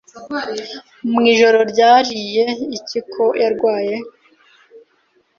Mwijoro ryariye iki ko yarwaye?